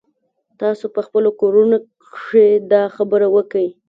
تاسو په خپلو کورونو کښې دا خبره وکئ.